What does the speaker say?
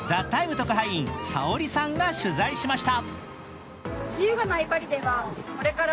特派員Ｓａｏｒｉさんが取材しました。